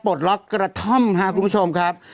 ปกติล็อกรธ่อมค่ะคุณผู้ชมครับ